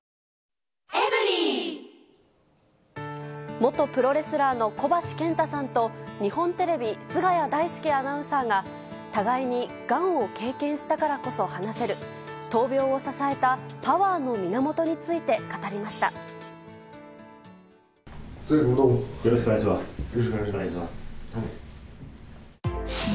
元プロレスラーの小橋建太さんと、日本テレビ、菅谷大介アナウンサーが、互いにがんを経験したからこそ話せる、闘病を支えたパワーの源に菅谷君、どうも。